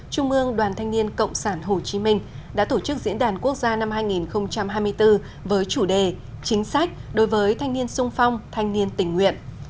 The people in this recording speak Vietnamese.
trung ương đoàn thanh niên cộng sản hồ chí minh đã tổ chức diễn đàn quốc gia năm hai nghìn hai mươi bốn với chủ đề chính sách đối với thanh niên sung phong thanh niên tình nguyện